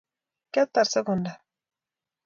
kiatar sekondar